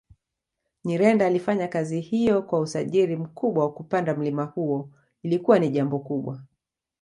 Nyirenda alifanya kazi hiyo kwa ujasiri mkubwa kupanda mlima huo ilikuwa ni jambo kubwa